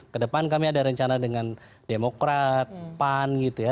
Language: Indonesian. kedepan kami ada rencana dengan demokrat pan gitu ya